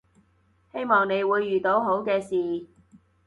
希望你會遇到好嘅事